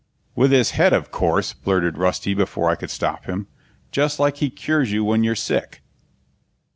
"With his head, o'course!" blurted Rusty before I could stop him. "Just like he cures you when you're sick!"